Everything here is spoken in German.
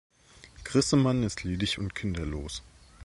Grissemann ist ledig und kinderlos.